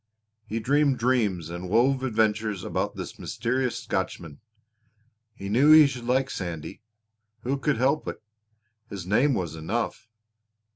He dreamed dreams and wove adventures about this mysterious Scotchman. He knew he should like Sandy. Who could help it? His name was enough.